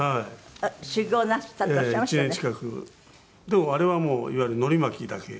でもあれはもういわゆる海苔巻きだけ。